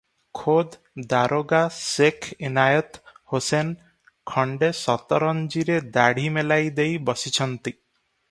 ଖୋଦ୍ ଦାରୋଗା ସେଖ୍ ଇନାଏତ୍ ହୋସେନ ଖଣ୍ତେ ସତରଞ୍ଜିରେ ଦାଢ଼ି ମେଲାଇ ଦେଇ ବସିଛନ୍ତି ।